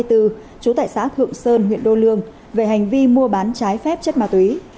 trú tại xã thượng sơn huyện đô lương về hành vi mua bán trái phép chất ma túy